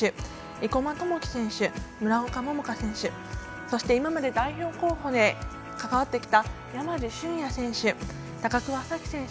生馬知季選手、村岡桃佳選手そして今まで代表候補で関わってきた山路竣哉選手、高桑早生選手